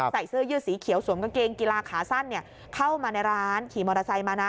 ใส่เสื้อยืดสีเขียวสวมกางเกงกีฬาขาสั้นเข้ามาในร้านขี่มอเตอร์ไซค์มานะ